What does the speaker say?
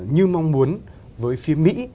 như mong muốn với phía mỹ